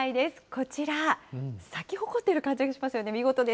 こちら、咲きほこっている感じがしますよね。